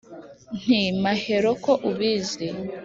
Nti: Mahero ko ubizi